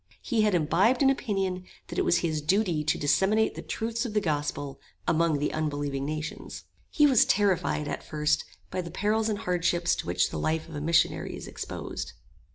He had imbibed an opinion that it was his duty to disseminate the truths of the gospel among the unbelieving nations. He was terrified at first by the perils and hardships to which the life of a missionary is exposed.